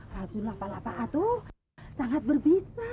rasulah pak lapa'atuh sangat berbisa